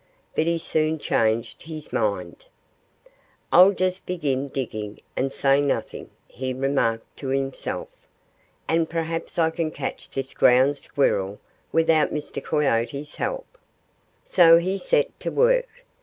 But he soon changed his mind. "I'll just begin digging and say nothing," he remarked to himself. "And perhaps I can catch this Ground Squirrel without Mr. Coyote's help." So he set to work.